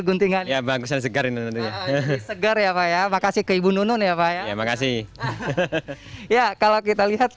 guntingan ya bagusnya segar ini segar ya pak ya makasih ke ibu nunun ya pak ya makasih ya kalau kita lihat